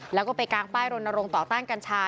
แล้วก็ไปกางป้ายรณรงค์ต่อต้านกัญชา